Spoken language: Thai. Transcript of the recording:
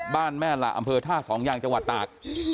บ้านแม่ละอำเภอท่าสองยางจังหวัดตาก